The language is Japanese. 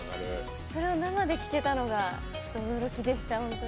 それを生で聴けたのが驚きでした。